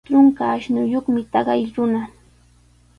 Trunka ashnuyuqmi taqay runa.